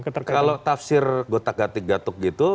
kalau tafsir gotak gatik gatuk gitu